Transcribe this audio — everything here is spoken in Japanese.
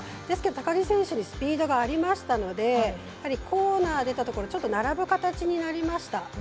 ですが高木選手にスピードがありましたのでやはり、コーナーで出たところで並ぶ形になりました。